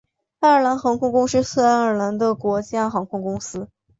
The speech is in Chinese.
爱尔兰航空公司是爱尔兰的国家航空公司。